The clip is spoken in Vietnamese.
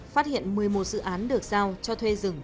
phát hiện một mươi một dự án được giao cho thuê rừng